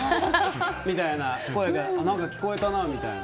みたいな声が聞こえたなみたいな。